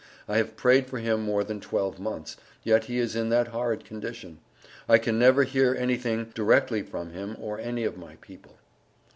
I have prayed for him more than 12 months, yet he is in that horrid condition. I can never hear anything Directly from him or any of my people.